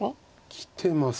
きてます。